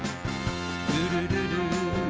「ルルルル」